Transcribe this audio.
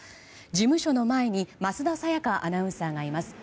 事務所の前に桝田沙也香アナウンサーがいます。